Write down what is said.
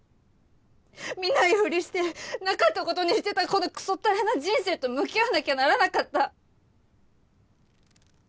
見ないふりしてなかったことにしてたこのクソったれな人生と向き合わなきゃならなかった。